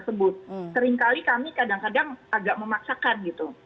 seringkali kami kadang kadang agak memaksakan gitu